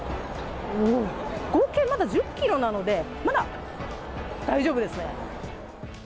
合計まだ１０キロなのでまだ大丈夫ですね。